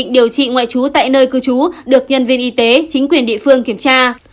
điều trị ngoại trú tại nơi cư trú được nhân viên y tế chính quyền địa phương kiểm tra